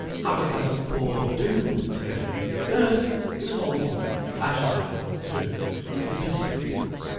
"Have a glass of port, do!" said Effie. "Nurse, give us all one. I should like one too. And a biscuit."